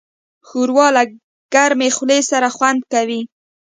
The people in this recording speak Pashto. ښوروا له ګرمې خولې سره خوند کوي.